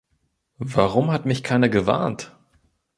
Warum hat mich keiner gewarnt?